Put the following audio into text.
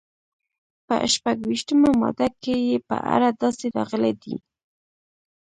په شپږویشتمه ماده کې یې په اړه داسې راغلي دي.